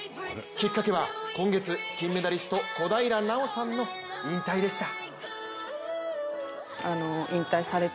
きっかけは今月、金メダリスト小平奈緒さんの引退でした。